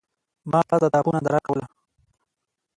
ما پاس د تپو ننداره کوله.